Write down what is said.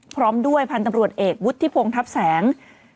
พร้อมด้วยพันธุ์ตำรวจเอกวุฒิพงศ์ทัพแสง